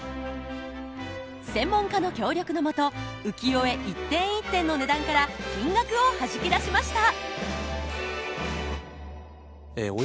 専門家の協力の下浮世絵一点一点の値段から金額をはじき出しました！